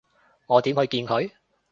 我點去見佢？